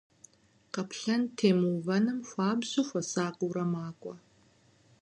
Къапхъэн темыувэным хуабжьу хуэсакъыурэ макӀуэ.